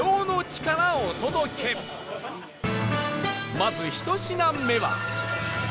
まず１品目は